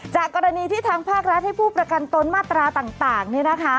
จากกรณีที่ทางภาครัฐให้ผู้ประกันตนมาตราต่าง